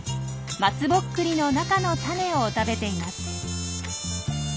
まつぼっくりの中のタネを食べています。